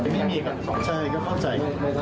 ไม่มีครับใช่ก็เข้าใจ